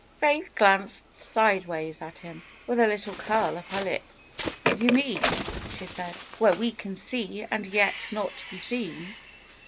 FAITH m Faith glanced sideways at him, with a little curl of her lip. ^^You mean,'^ she said, where we can see and yet not be seen."